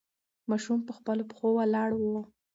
ماشوم په خپلو پښو ولاړ و.